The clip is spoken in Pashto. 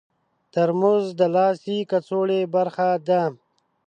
ترموز د لاسي کڅوړې برخه ده.